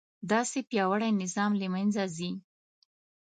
داسې پیاوړی نظام له منځه ځي.